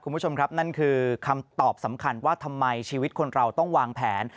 คุณผู้ชมครับนั่นคือคำตอบสำคัญว่าทำไมชีวิตคนเราต้องวางแผน